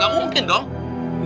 gak mungkin dong